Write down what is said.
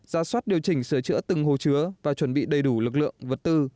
ra soát điều chỉnh sửa chữa từng hồ chứa và chuẩn bị đầy đủ lực lượng vật tư